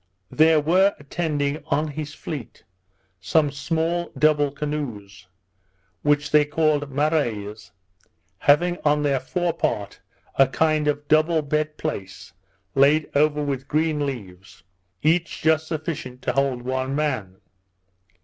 There were attending on his fleet some small double canoes, which they called Marais, having on their fore part a kind of double bed place laid over with green leaves, each just sufficient to hold one man.